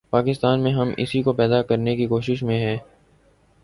پاکستان میں ہم اسی کو پیدا کرنے کی کوشش میں رہے ہیں۔